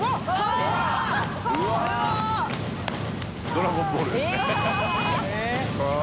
「ドラゴンボール」ですね